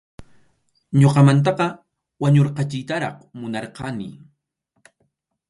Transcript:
Ñuqamantaqa wañurqachiytaraq munarqani.